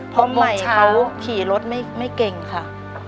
เพราะใหม่เขาขี่รถไม่เก่งค่ะ